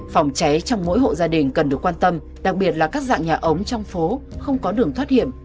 phòng cháy trong mỗi hộ gia đình cần được quan tâm đặc biệt là các dạng nhà ống trong phố không có đường thoát hiểm